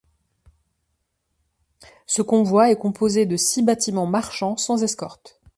Ce convoi est composé de six bâtiments marchands sans escorte.